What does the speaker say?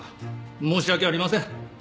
申し訳ありません。